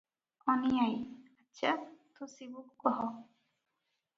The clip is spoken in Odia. ଅନୀ ଆଈ - ଆଚ୍ଛା, ତୁ ଶିବୁକୁ କହ ।